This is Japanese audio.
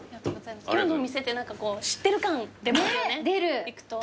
今日のお店って何か知ってる感出ますよね行くと。